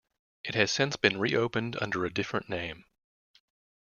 It has since been reopened under a different name.